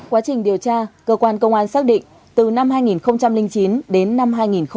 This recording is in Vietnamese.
quá trình điều tra cơ quan công an xác định từ năm hai nghìn chín đến năm hai nghìn một mươi